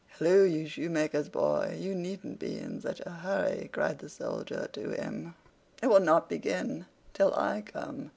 "Halloo, you shoemaker's boy! you needn't be in such a hurry," cried the Soldier to him: "it will not begin till I come.